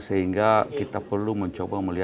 sehingga kita perlu mencoba melihat